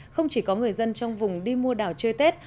không chỉ có người dân trong vùng đi mua đảo chơi tết